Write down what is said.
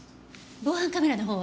防犯カメラの方は？